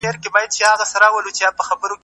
بکا اته څلوېښت کلن سړی و.